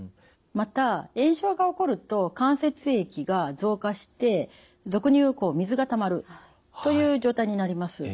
また炎症が起こると関節液が増加して俗に言う水がたまるという状態になります。